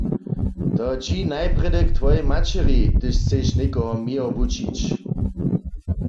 „To dźi najprjedy k twojej maćeri, hdyž chceš někoho měr wučić.“